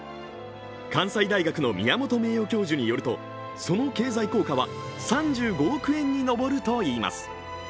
関西大学の宮本名誉教授によるとその経済効果は３５億円に上るといいます。